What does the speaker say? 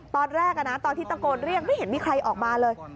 ตอนที่ตะโกนเรียกไม่เห็นมีใครออกมาเลย